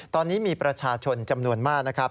ตอนนี้มีประชาชนจำนวนมากนะครับ